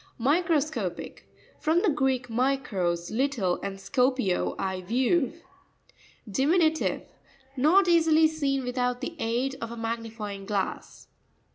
Microsco'pic.—From the Greek, mi kros, little, and skoped, I view. Di minutive. Not easily seen with out the aid of a magnifying glass.